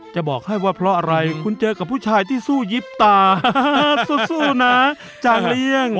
จะบอกให้ว่าเพราะอะไรคุณเจอกับผู้ชายที่สู้ยิบตาสู้นะจากเลี่ยง